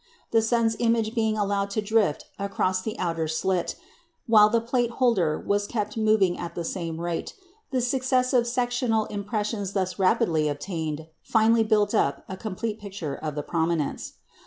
The sun's image being then allowed to drift across the outer slit, while the plate holder was kept moving at the same rate, the successive sectional impressions thus rapidly obtained finally "built up" a complete picture of the prominence.